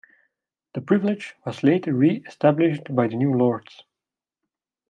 This privilege was later re-established by the new lords.